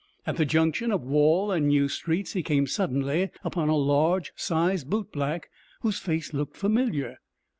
At the junction of Wall and New Streets he came suddenly upon a large sized bootblack, whose face looked familiar.